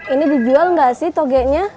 ini dijual nggak sih togenya